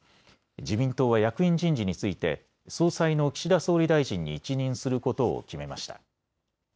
自民党は役員人事について総裁の岸田総理大臣に一任することを決めました。